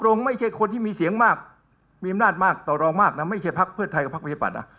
ไม่ใช่คนที่มีเสียงมากมีอำนาจมากต่อรองมากนะไม่ใช่พักเพื่อไทยกับพักประชาบัตย์นะ